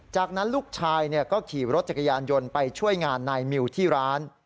จากนั้นลูกชายก็ขี่รถจักรยานยนต์ไปช่วยงานนายมิวที่ร้าน